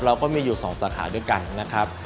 เราก็มีอยู่๒สาขาด้วยกันนะครับ